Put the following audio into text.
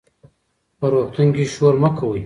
په روغتون کې شور مه کوئ.